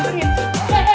buka mau gue